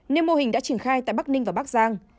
nên mô hình đã triển khai tại bắc ninh và bắc giang